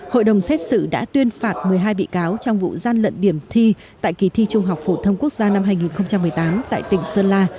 hội đồng xét xử đã tuyên phạt một mươi hai bị cáo trong vụ gian lận điểm thi tại kỳ thi trung học phổ thông quốc gia năm hai nghìn một mươi tám tại tỉnh sơn la